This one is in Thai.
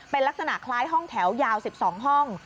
เป็นลักษณะคล้ายห้องแถวยาว๑๒ห้อง